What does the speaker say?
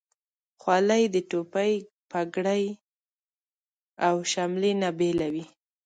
خولۍ د ټوپۍ، پګړۍ، او شملې نه بیله وي.